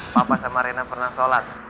papa sama rena pernah sholat